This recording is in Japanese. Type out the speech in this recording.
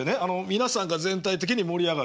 皆さんが全体的に盛り上がる。